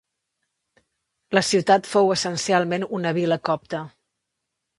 La ciutat fou essencialment una vila copta.